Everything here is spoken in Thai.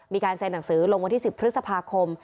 มีการเซ็นหนังสือลงวันที่๑๐พฤษภาคม